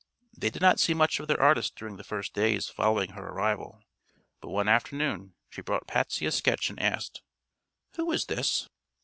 They did not see much of their artist during the first days following her arrival, but one afternoon she brought Patsy a sketch and asked: "Who is this?"